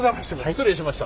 失礼しました。